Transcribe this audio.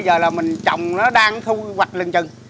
giờ là mình trồng nó đang thu hoạch lên chân